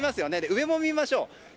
上も見ましょう。